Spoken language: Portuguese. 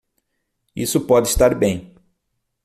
Isso pode estar bem.